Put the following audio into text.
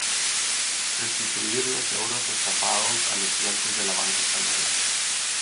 restituir los euros estafados a los clientes de la banca española